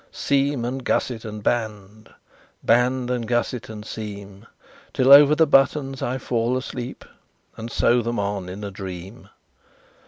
Seam, and gusset, and band, Band, and gusset, and seam, Till over the buttons I fall asleep, And sew them on in a dream!